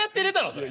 それ。